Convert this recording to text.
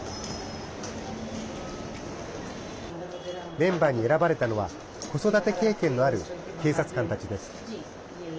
メンバーに選ばれたのは子育て経験のある警察官たちです。